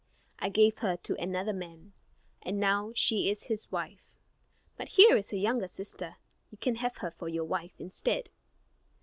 I gave her to another man, and now she is his wife. But here is her younger sister; you can have her for your wife, instead."